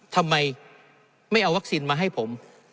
ทำไมไม่เอาวัคซีนมาให้ผม